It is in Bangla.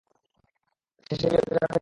শেষ বিজয়ীর মজাটা পেতে দে।